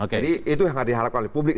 jadi itu yang diharapkan oleh publik